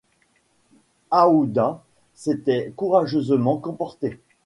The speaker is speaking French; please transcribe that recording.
Aouda s’était courageusement comportée.